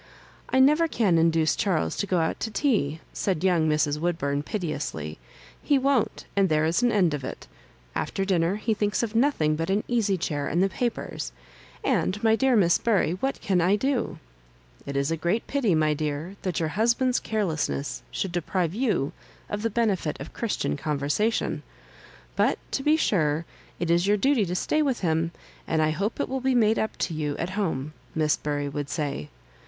"I never can induce Charles to go out to tea," said young Mrs. Wood bum, piteously ;" he won't, and there is an end of it After dinner he thinks of nothing but an easy chair and the papers; and, my dear Miss Bury, what can I do ?"" It is a great pity, my dear, that your husband's carelessness should deprive you of the benefit of Christian conversa tion ; but, to be sure, it is your duty to stay with him, and I hope it will be made up to you at home," Miss Bury would say.